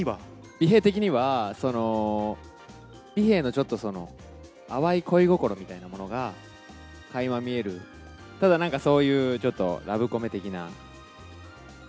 尾平的には尾平のちょっと、淡い恋心みたいなものがかいま見える、ただなんか、そういうちょっと、ラブコメ的な。